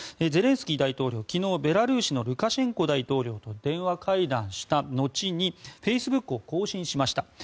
ゼレンスキー大統領は昨日ベラルーシのルカシェンコ大統領と電話会談した後にフェイスブックを更新しました。